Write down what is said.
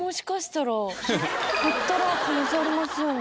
掘ったら可能性ありますよね。